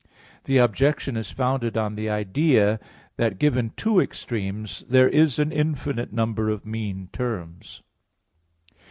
The objection is founded on the idea that, given two extremes, there is an infinite number of mean terms.